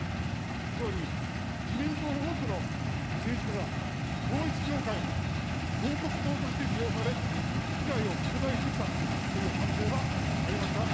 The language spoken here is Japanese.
総理、自民党の多くの政治家が、統一教会の広告塔として利用され、被害を拡大してきたという反省はありますか。